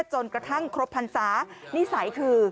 จนกระทั่งครบพรรษานิสัยคือ